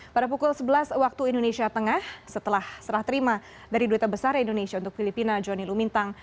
pada pukul sebelas waktu indonesia tengah setelah serah terima dari duta besar indonesia untuk filipina joni lumintang